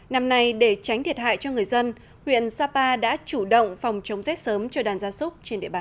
năm nay để tránh thiệt hại cho người dân huyện sapa đã chủ động phòng chống rét sớm cho đàn gia súc